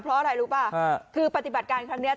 เพราะอะไรรู้ป่ะคือปฏิบัติการครั้งนี้